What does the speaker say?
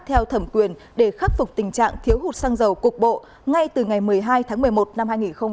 theo thẩm quyền để khắc phục tình trạng thiếu hụt xăng dầu cục bộ ngay từ ngày một mươi hai tháng một mươi một năm hai nghìn hai mươi